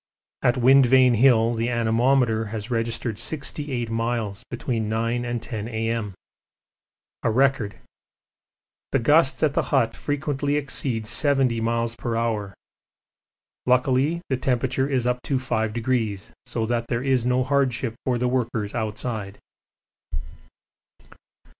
At Wind Vane Hill the anemometer has registered 68 miles between 9 and 10 A.M. a record. The gusts at the hut frequently exceed 70 m.p.h. luckily the temperature is up to 5°, so that there is no hardship for the workers outside.